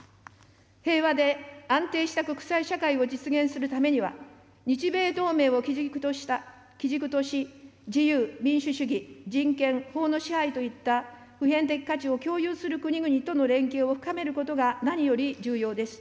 平和で安定した国際社会を実現するためには、日米同盟を基軸とし、自由、民主主義、人権、法の支配といった普遍的価値を共有する国々との連携を深めることが何より重要です。